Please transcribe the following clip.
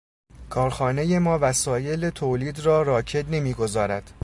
کارخانهٔ ما وسایل تولید را راکد نمیگذارد.